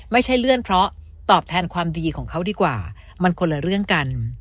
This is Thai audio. ไม่ใช่เลื่อนเพราะตอบแทนความดีของเขาดีกว่ามันคนละเรื่องกัน